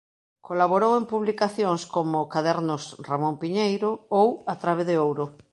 Colaborou en publicacións como "Cadernos Ramón Piñeiro" ou "A Trabe de Ouro".